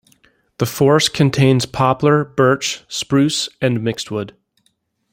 The forest contains poplar, birch, spruce and mixedwood.